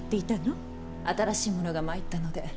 新しい者が参ったので。